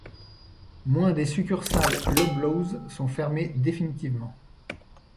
Moins des succursales Loblaws sont fermées définitivement.